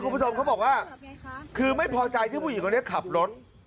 คุณผู้ชมเขาบอกว่าคือไม่พอใจที่ผู้หญิงคนนี้ขับรถ